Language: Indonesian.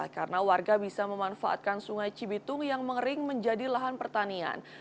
karena warga bisa memanfaatkan sungai cibitung yang mengering menjadi lahan pertanian